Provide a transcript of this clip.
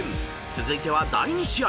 続いては第２試合］